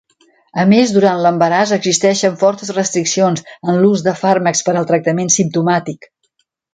A més durant l'embaràs existeixen fortes restriccions en l'ús de fàrmacs per al tractament simptomàtic.